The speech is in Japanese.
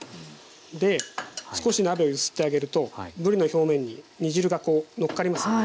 少し鍋を揺すってあげるとぶりの表面に煮汁がのっかりますよね。